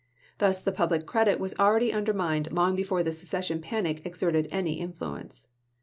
Thus the public credit was already undermined long before the secession panic exerted any influence.